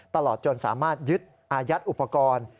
ตลอดจนสามารถยึดอายัดอุปกรณ์